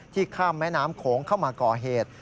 ข้ามแม่น้ำโขงเข้ามาก่อเหตุ